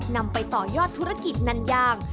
นำไปต่อยอดธุรกิจนันยาง